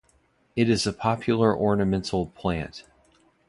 It is a popular ornamental plant.